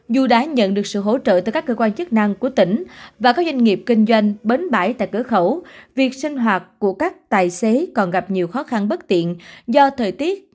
dù đã nhận được sự hỗ trợ từ các cơ quan chức năng của tỉnh và các doanh nghiệp kinh doanh bến bãi tại cửa khẩu việc sinh hoạt của các tài xế còn gặp nhiều khó khăn bất tiện do thời tiết